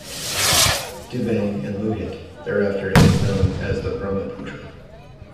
"Dibang" and "Lohit"; thereafter, it is known as the "Brahmaputra".